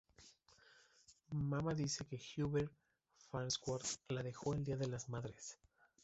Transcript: Mama dice que Hubert Farnsworth la dejó el día de las madres.